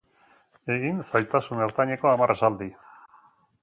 Egin zailtasun ertaineko hamar esaldi.